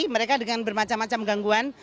mereka dengan bermacam macam gangguan